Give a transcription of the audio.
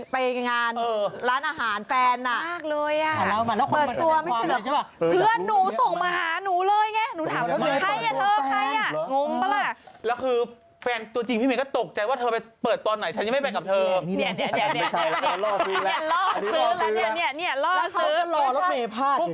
ไปงานร้านอาหารแฟนหนะ